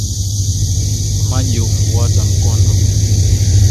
Maji hufuata mkondo